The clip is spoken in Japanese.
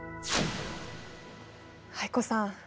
藍子さん。